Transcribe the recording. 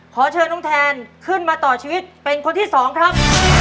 ขอเชิญน้องแทนขึ้นมาต่อชีวิตเป็นคนที่สองครับ